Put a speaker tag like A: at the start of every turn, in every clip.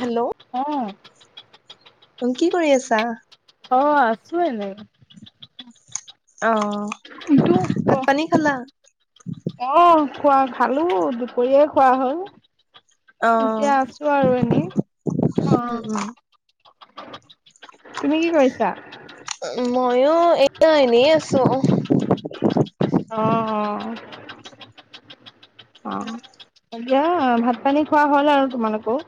A: Hello
B: অ'।
A: [unintelligible] কি কৰি আছা?
B: অ' আছোঁ এনেই।
A: অ ভাত পানী খালা?
B: [unintelligible] অহ খোৱা খালোঁ, দুপৰীয়াই খোৱা
A: অ
B: হ'ল। এতিয়া আছোঁ আৰু এনেই,
A: উম
B: অ'।
A: উম।
B: তুমি কি কৰিছা?
A: মইও এতিয়া এনেই আছোঁ।
B: অ
A: [inaudible]
B: অ' এতিয়া ভাত পানী খোৱা হল আৰু তোমালোকেও?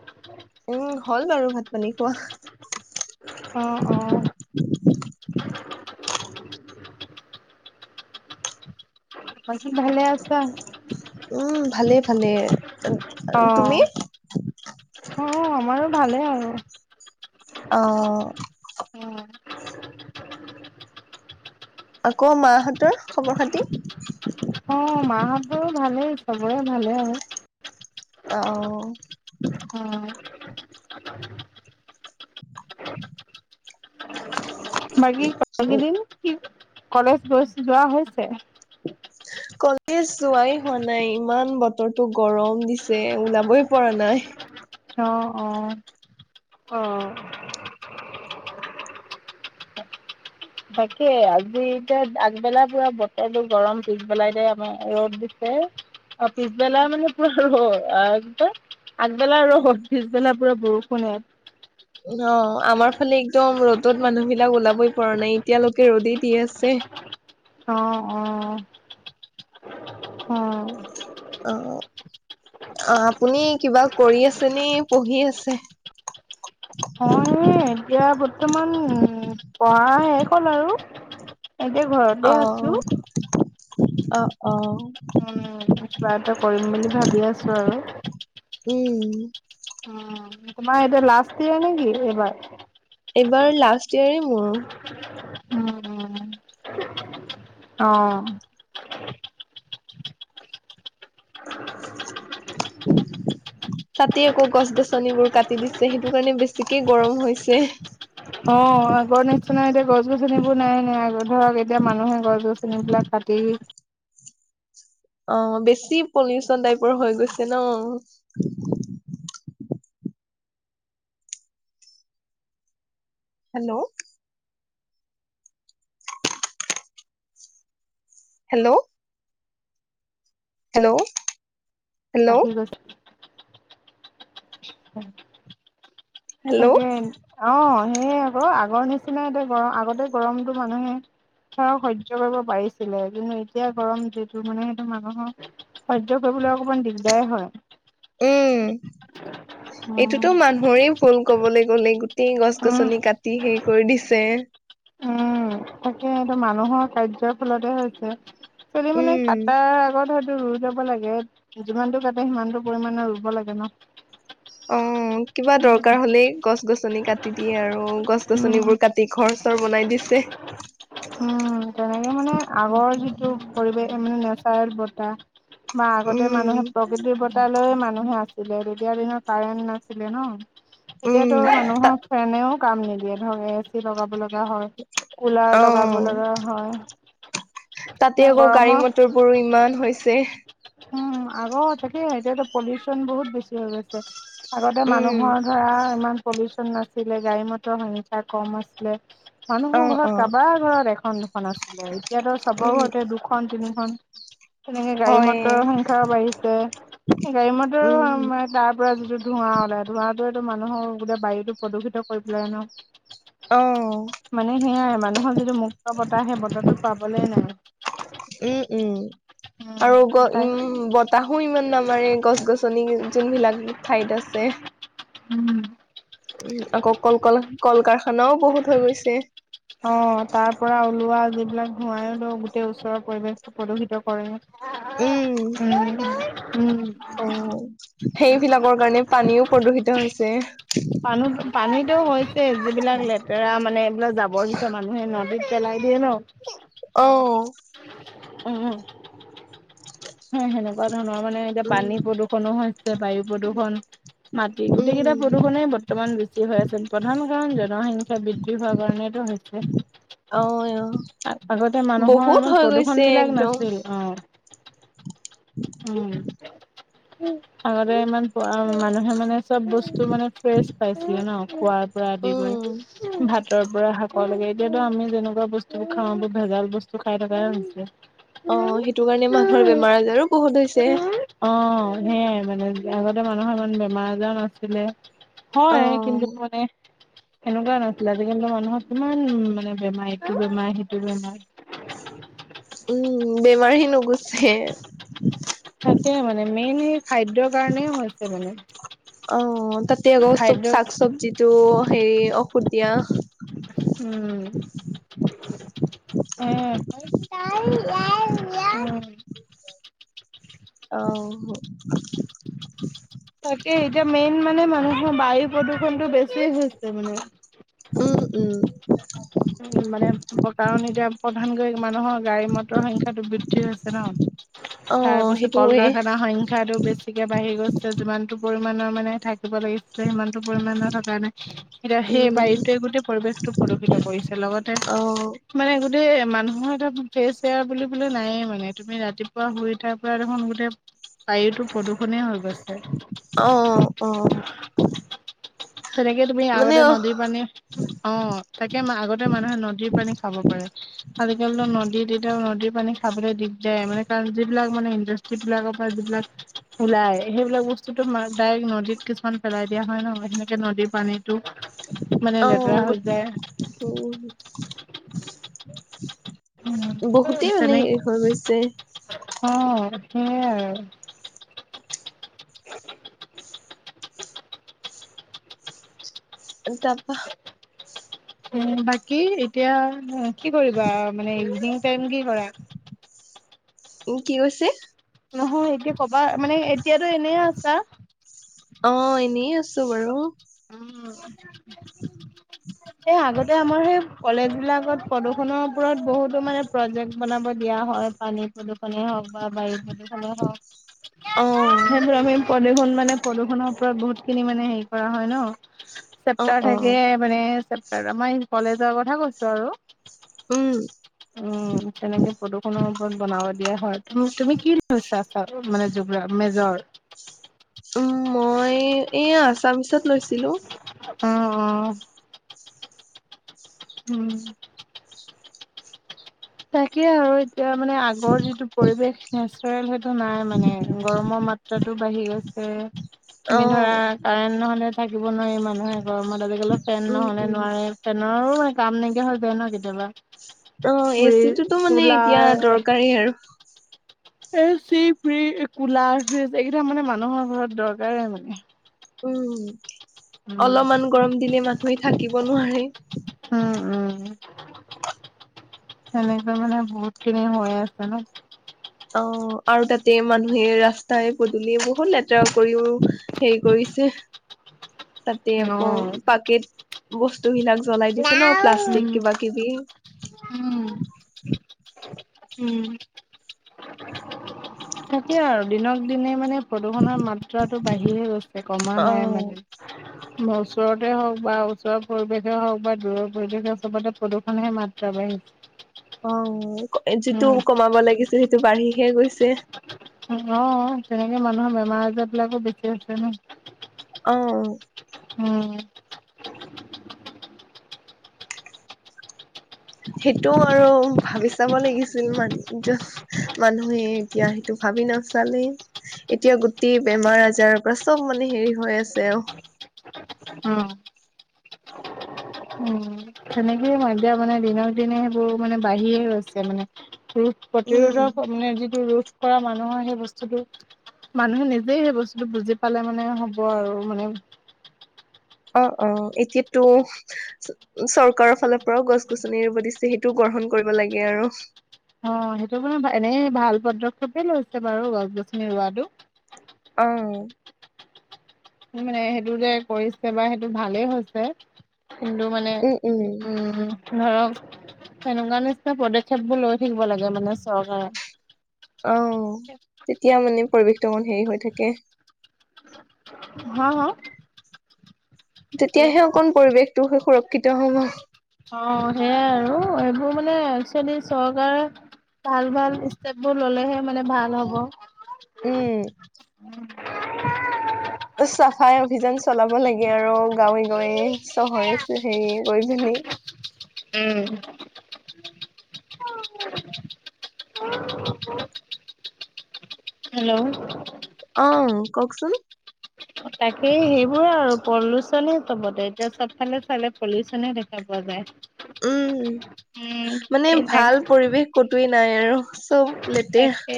A: উম হ'ল বাৰু ভাত পানী খোৱা।
B: অ' অ'। বাকি ভালে আছা?
A: উম, ভালে ভালে।
B: অ'
A: তুমি?
B: অ আমাৰো ভালেই আৰু।
A: অ'।
B: উম।
A: আকৌ মা হঁতৰ খবৰ খাতি?
B: অ মাহঁতৰো ভালেই চবৰে ভালে আৰু।
A: আও।
B: উম।
A: [inaudible]
B: বাকী
A: উ
B: বাকদিন কি কলেজ গৈ যোৱা হৈছে? [unintelligible]
A: [inaudible] কলেজ যোৱাই হোৱা নাই ইমান বতৰটো গৰম দিছে ওলাবই পৰা নাই।
B: অ' অ' অ'। বাকি আজি এতিয়া আগবেলা পুৰা বতৰটো গৰম, পিছবেলা এতিয়া আমাৰ ৰ'দ দিছে। [unintelligible] পিছবেলা মানে পুৰা ৰ'দ অ কি কয় আগবেলা ৰ'দ, পিছবেলা পুৰা বৰষুণ ইয়াত।
A: অ আমাৰ ফালে একদম ৰ'দত মানুহ বিলাক ওলাবই পৰা নাই এতিয়ালৈকে ৰ'দেই দি আছে।
B: অ' অ'। অ'।
A: অ' আপুনি কিবা কৰি আছে নে পঢ়ি আছে?
B: অ এতিয়া বৰ্তমান পঢ়া শেষ হল আৰু। এতিয়া ঘৰতে আছোঁ।
A: অ', অ' অ'।
B: উম কিবা এটা কৰিম বুলি ভাবি আছোঁ আৰু।
A: উম।
B: উম তোমাৰ এতিয়া লাষ্ট ইয়াৰ নেকি এইবাৰ?
A: এইবাৰ লাষ্ট ইয়েৰে মোৰ।
B: উম অম [inaudible] অ'
A: [inaudible] তাতে আকৌ গছ গছনিবোৰ কাটি দিছে। সেইটো কাৰণে বেছিকে গৰম হৈছে।
B: অ' আগৰ নিচিনা এতিয়া গছ গছনিবোৰ নাই নাই। আগত ধৰক এতিয়া মানুহে গছ গছন বিলাক কাটি। উ
A: অ' বেছি পলিউচন টাইপৰ হৈ গৈছে ন? হেল্লো' হেল্লো' হেল্লো'
B: আহি গৈছে।
A: হেল্ল'।
B: তাকে অ' সেই আক আগৰ নিচিনা এ গৰম আগতে গৰমতটো মানুহে সেয়াও সহ্য কৰিব পাৰিছিলে কিন্তু এতিয়া গৰম যিটো মানে সেইটো মানুহক সহ্য কৰিবলৈ। অকমান দিগদাৰে হয়।
A: উম,
B: উম
A: এইটোতো মানুহৰে ভুল ক'বলৈ গ'লে, গোট টেই
B: উম
A: গছ-গছনি কাটি শেষ কৰি দিছে।
B: উম
A: [inaudible]
B: তাকে সেইটো মানুহৰ কাৰ্যৰ ফলতে হৈছে। নি
A: উম।
B: কাটাৰ আগত হয়তটো ৰুই লব লাগে। যিমানটো কাটা সিমানটো পৰিমানৰ ৰুব লাগে। [unintelligible]
A: অ', কিবা দৰকাৰ হ'লেই গছ গছ গছনি কাটি দিয়ে আৰু গছ
B: উম
A: গছনিবোৰ কাটি ঘৰ চৰ বনাই দিছে।
B: উম তেনেকে মানে আগৰ যিটো পৰিৱেশ মানে নেচাৰেল বতাহ, বা আগতে মানুহে প্ৰকৃতিৰ বতাহ লৈয়ে
A: উম।
B: মানুহে আছিলে তেতিয়া দিনৰ কাৰেণ্ট না ছিলে ন
A: উম
B: এতিয়াতো
A: তা
B: মানুহক ফেনেও কাম নিদিয়ে ধৰ এ চি লগাব লগা হয়
A: অ
B: কুলাৰ লগাব লগা হয়।
A: তাতে
B: মানে
A: আকৌ গাড়ী
B: গৰমৰ
A: মটৰ বোৰো ইমান হৈছে।
B: উম আগৰ তাকে এতিয়াটো পলিউচন বহুত বেছি হৈ গৈছে। আগতে
A: উম
B: মানুহৰ ধৰা ইমান পলিউচন নাছিলে গাড়ী মটৰ সংখ্যা কম আছিলে।
A: অ
B: মানুহৰ
A: অ
B: ঘৰত কাবাৰ ঘৰত এখন দুখন আছিলে, এতিয়াতো চবৰ
A: উম
B: ঘৰতে দুখন তিনিখন, তেনেকে গাড়ী
A: হয়
B: ম টৰৰ সংখ্যাও বাঢ়িছে, এই গাড়ী
A: উম
B: মটৰো তাৰ পৰা যিটো ধোৱা ওলাই ধোৱাটো। ৱে টো মানুহৰ গোটেই বায়ুটো প্ৰদূষিত কৰি পেলাই ন।
A: অ
B: মানে সেয়াই মানুহৰ যিটো মুক্ত বতাহ সেই বতাহটো পাবলৈ নাই।
A: উম উম আৰু গ
B: উম তাই
A: উম বতাহো ইমান নামাৰে গছ-গছনি যোনবিলাক ঠাইত আছে।
B: উম।
A: উ আকৌ কল ক কল কাৰখানাও বহুত হৈ গৈছে।
B: অ তাৰ পৰা ওলোৱা যিবিলাক ধোঁৱাইটো গোটেই ওচৰৰ পৰিৱেশটো প্ৰদূষিত কৰে।
A: উম
B: উম উম
A: অ' সেইবিলাকৰ কাৰণে পানীও প্ৰদূষিত হৈছে।
B: পানী পানীটোও হৈ ছেই যিবিলাক লেতেৰা মানে এইবিলাক যাবৰ যুথৰ মানুহে নদীত পেলাই দিয়ে ন,
A: অ
B: অহ, উম। সেনেকুৱা ধৰণৰ মানে এতিয়া
A: উম
B: পানী প্ৰদূষণো হৈছে। বায়ু প্ৰদূৰষণ মাটি গোটেই কেইটা
A: উম
B: প্ৰদূষনে বৰ্তমান বেছি হৈ আছে, প্ৰধান কাৰণ জনসংখ্যা বৃদ্ধি হোৱাৰ কাৰণেটো হৈছে।
A: অ
B: আগতে মানুহৰ
A: বহুত
B: ইমান
A: হৈ
B: প্ৰদূৰ্ষণ
A: গৈছে
B: বিলাক
A: একদম
B: নাছিল। অ' উম আগতে ইমান প মানুহে মানে চব বস্তু মানে ফ্ৰেছ পাইছিলে ন খোৱাৰ পৰা আদি
A: উম
B: কৰি ভাতৰ পৰা শাকৰ লৈকে, এতিয়াতো আমি যেনেকুৱা বস্তু খাওঁ ব ভেজাল বস্তু খাই থকাই হৈছে।
A: অ সেইটো কাৰণে মানুহৰ বেমাৰ আজাৰো বহুত হৈছে।
B: সেয়াই মানে আগতে মানুহৰ ইমান বেমাৰ আজাৰ নাছিলে।
A: অ
B: হয়, কিন্তু মানে সেনেকুৱা নাছিলে, আজিকালিটো মানুহৰ কিমান মানে বেমাৰ ইটো বেমাৰ সিটো বেমাৰ।
A: উম বেমাৰে নুগুছে।
B: তাকে মানে মেইন এই খাদ্যৰ কাৰণে হৈছে মানে।
A: অ তাতে আকৌ চব
B: খাদ্যত
A: শাক চবজিটো হেৰি ঔষধ দিয়া।
B: উম। [unintelligible]
A: অ
B: তাকে এতিয়া মেইন মানে মানুহ ৰ বায়ু প্ৰদূষণটো বেছি হৈছে মানে।
A: উম উম
B: উ মানে কাৰণ এতিয়া প্ৰধানকৈ মানুহৰ গাড়ী মটৰৰ সংখ্যাটো বৃদ্ধি হৈছে ন।
A: অ
B: তাৰ পিছত কল
A: সেইটোৱে
B: কাৰখানাৰ সংখ্যাটো বেছিকে বাঢ়ি গৈছে যিমানতটো পৰি- ৰ মানে থাকে। লাগিছিলে সিমানতো পৰিমণ ন থকা নাই এতিয়া সেই
A: উম
B: বায়ুটোৱে গোটেই পৰিৱেশটো প্ৰদূষিত কৰিছে । লগতে
A: অ
B: মানে গো- মানুহৰ এটা ফ্ৰেচ এয়াৰ বুলি বোলে নাইয়ে মানে তুমি ৰাতিপুৱা শুই উঠাৰ পৰা দেখোন বোলে, বায়ুতো প্ৰদূষণে হৈ গৈছে।
A: আহ অ
B: তেনেকে তুমি
A: মানে
B: আগতে
A: অ
B: নদীৰ পানী অ তাকে আগতে- মানুহে নদীৰ পানী খাব পাৰে আজিকালি নদী তেতিয়া নদীৰ পানী খাবলৈ দিদ- দ মানে কাৰণ যিবিলাক মানে ইণ্ডাষ্ট্ৰ্ৰী বিলাকৰ পৰা যিবিলাক ওলাই- সেইবিলাক বস্তুতো ডাইৰেক্ট নদীত কিছুমান পেলাই দিয়া হয় ন সেনেকে নদীৰ পানীত।
A: অ গ উ
B: উ তেনে
A: গৈছে
B: অ সেইয়াই আৰু
A: এ তাৰ পৰা
B: উ বাকী এতিয়া। কি কৰিবা মানে ইভিনিং টাইম কি কৰা?
A: উম কি হৈছে?
B: নহয় এতিয়া কবা মানে এতিয়াতো এনে আছা?
A: অ এনে আছো বাৰু।
B: উম
A: [inaudible]
B: আগতে আমাৰ সেই কলেজ বিলাকত প্ৰদূষনৰ ওপৰত বহুতো মানে প্ৰজেক্ট বনাব দিয়া। হয় পানী [unintelligible] নে হওক বা বায়ু প্ৰদূষনে হওক
A: অ
B: সেইটো আমি প্ৰদূষণ মানে প্ৰদূষণৰ- বহুতখিনি মানে হেৰি কৰা হয় ন
A: অ
B: চেপ্টাৰ
A: অ
B: থাকে মানে আমাৰ কলেজৰ কথা কৈছো আৰু।
A: উম
B: উম তেনেকে প্ৰদূষণৰ ওপৰত বনাব দিয়া হয় তুম তুমি কি লৈছা? মানে জোগ মেজৰ।
A: উম মই এই আছামিছত লৈছিলো।
B: উ উ উম তাকে আৰু এতিয়া মানে আগৰ যিটো পৰিবেশ নেচাৰেল হয়। নাই মানে গৰমৰ মাত্ৰাতটো বাঢ়ি গৈছে। তুমি
A: অ
B: ধৰা কাৰেন্ট নহলে। থাকিব নোৱাৰি মানুহে গৰমত আজিকালি ফেন
A: উম,
B: নহলে
A: উম,
B: নোৱাৰে ফেনৰো মানে - কাম নাইকিয়া হৈ যায় ন কেতিয়াবা।
A: অ', এ
B: কু
A: চিটোতো মানে এতিয়া
B: কোলাৰ।
A: দৰকাৰী আৰু
B: A C fridge cooler fridge এইকেইটা মানে মানুহৰ ঘৰত দৰকাৰে মানে।
A: উম। অলপমান
B: উম।
A: গৰম দিলে মানুহে থাকিব নোৱাৰে।
B: এনেকুৱা মানে বহুত খিনি হৈ আছে ন।
A: অঁ আৰু তাতে মানুহে ৰাস্তাই পদূলিয়ে বহুত লেতেৰা কৰিওঁ হেৰি কৰিছে। তাতে আকৌ
B: অ',
A: পাকেট বস্তু। তহিলাক জ্বলাই দিছে ন প্লাষ্টিক
B: উম,
A: কিবা কিবি।
B: উম, উম তাকে আৰু দিনক, দিনে মানে। প্ৰদূষণৰ মাত্ৰাটো বাঢ়িয়ে গৈছে কমা নাই
A: অ'।
B: মানে। ওচৰতে হওঁক বা ওচৰৰ পৰিৱেশ। হওঁক বা দূৰৰ পৰিৱেশ চবতে প্ৰদূষণহে মাত্ৰা বাঢ়িছে।
A: অঁ যিটো
B: উম,
A: কমাব লাগিছে সেইটো বাঢ়ি হে গৈছে।
B: অঁ, তেনেকে মানুহৰ বেমাৰ আজাৰ বিলাকো বেছি হৈছে ন।
A: অ',
B: উম।
A: সেইটো আৰু ভাবি চাব লাগিছিল। মানুহে জাটচ্ মানুহে এতিয়া সেইটো ভাবি নাচালেই। এতিয়া গোটেই বেমাৰ আজাৰৰ পৰা চব মানে হেৰি হৈ আছে অঁ।
B: অঁ। দিয়া মানে দিনক দিনে সেইবোৰ মানে বাঢ়িয়ে গৈছে মানে। পুৰুষ
A: উম।
B: প্ৰতিৰোধৰ মানে যিটো ৰোধ কৰা মানুহৰ সেই বস্তুটো মানুহে নিজেই সেই বস্তুটো বুজি পালে মানে হ'ব আৰু মানে।
A: অঁ অঁ এতিয়াতো চৰকাৰৰ ফালৰ পৰাও গছ গছনি ৰুব দিছে। সেইটো গ গ্ৰহণ কৰিব লাগে আৰু।
B: অঁ সেইটো মানে এনে ভাল পদক্ষেপে লৈছে বাৰু গছ গছনি ৰোৱাটো।
A: অঁ।
B: মানে সেইটো যে কৰিছে বা সেইটো ভালেই হৈছে। কিন্তু মানে, উম ধৰক। তেনেকুৱা নিচিনা পদক্ষেপ বোৰ লৈ থাকিব লাগে মানে চৰকাৰে।
A: অঁহ, তেতিয়া মানে পৰিৱেশটো অকমান হেৰি হৈ থাকে।
B: হাঁ হাঃ।
A: তেতিয়াহে অকণ পৰিৱেশটো সু সুৰক্ষিত হব।
B: অঁ সেয়াই আৰু এইবোৰ মানে একচুৱেলি চৰকাৰে ভাল ভাল ষ্টেপ বোৰ ললেহে মানে ভাল হ'ব।
A: উম।
B: [unintelligible]
A: চফাই অভিযান চলাব লাগে আৰু গাঁৱে গাঁৱে চহৰে হেৰি গৈ কিনি। [inaudible]
B: উম। [unintelligible] হেল্ল'।
A: অঁহ কওঁকচোন?
B: তাকেই সেইবোৰ আৰু পলিউচনে চবতে। এতিয়া চবফালে চালে পলিউচনে দেখা পোৱা যায়।
A: উম।
B: উম
A: মানে
B: এই তাক
A: ভাল পৰিৱেশ কটোৱে নাই আৰু। চব লেতেৰা
B: তাকে।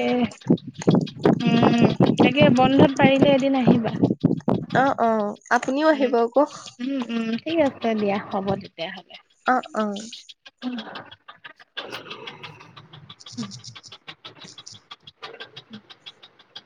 B: উম তাকে বন্ধত পাৰিলে এদিন আহিবা।
A: অঁ অঁ আপুনিওঁ
B: উম
A: আহিব আকৌ।
B: উম উম ঠিক দিয়া হ'ব তেতিয়াহ'লে।
A: অঁ অঁ।
B: [unintelligible]
A: [unintelligible]
B: [unintelligible]